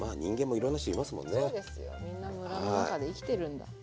みんなムラの中で生きてるんだそう。